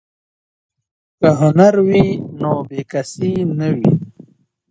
که هنر وي نو بې کسي نه وي.